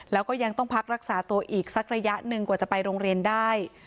แล้วก็ยังต้องพักรักษาตัวอีกสักระยะหนึ่งกว่าจะไปโรงเรียนได้